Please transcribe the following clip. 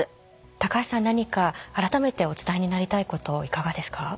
高橋さん何か改めてお伝えになりたいこといかがですか？